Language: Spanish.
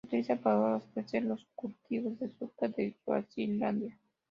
Se utiliza para abastecer los cultivos de azúcar de Suazilandia.